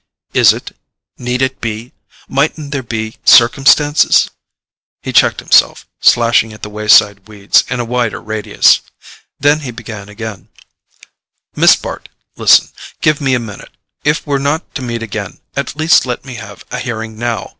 "Is it—need it be? Mightn't there be circumstances——?" he checked himself, slashing at the wayside weeds in a wider radius. Then he began again: "Miss Bart, listen—give me a minute. If we're not to meet again, at least let me have a hearing now.